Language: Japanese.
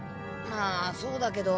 はあそうだけど。